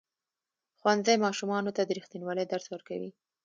ښوونځی ماشومانو ته د ریښتینولۍ درس ورکوي.